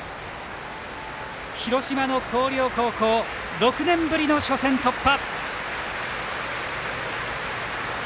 広島の広陵高校６年ぶりの初戦突破。